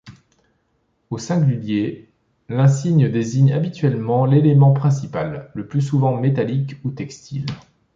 Au singulier, l'insigne désigne habituellement l'élément principal, le plus souvent métallique ou textile.